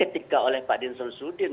mereka berkata pak dinsul sudin